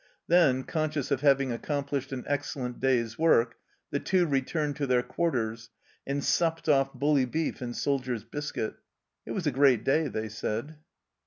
Then, conscious of having accomplished an ex cellent day's work, the Two returned to their quarters and supped off bully beef and soldier's biscuit. " It was a great day," they said.